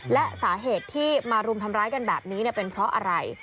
และสาเหตุที่มารุมทำร้ายกันแบบนี้เป็นเพราะอะไร